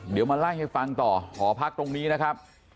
เดี๋ยวมาไล่ให้ฟังต่อหอพักตรงนี้นะครับ